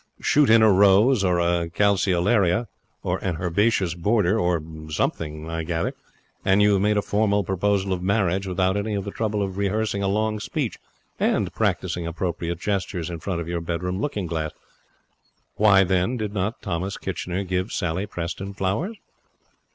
Shoot in a rose, or a calceolaria, or an herbaceous border, or something, I gather, and you have made a formal proposal of marriage without any of the trouble of rehearsing a long speech and practising appropriate gestures in front of your bedroom looking glass. Why, then, did not Thomas Kitchener give Sally Preston flowers?